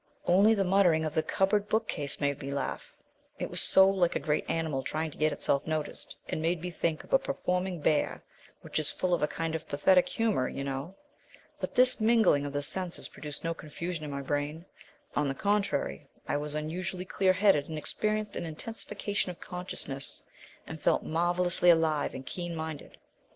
"Only the muttering of the cupboard bookcase made me laugh. It was so like a great animal trying to get itself noticed, and made me think of a performing bear which is full of a kind of pathetic humour, you know. But this mingling of the senses produced no confusion in my brain. On the contrary, I was unusually clear headed and experienced an intensification of consciousness, and felt marvellously alive and keen minded.